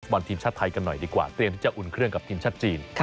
บอลทีมชาติไทยกันหน่อยดีกว่าเตรียมที่จะอุ่นเครื่องกับทีมชาติจีน